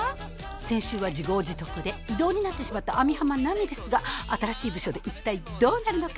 先週は自業自得で異動になってしまった網浜奈美ですが新しい部署で一体どうなるのか？